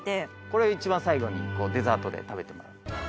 これを一番最後にデザートで食べてもらう。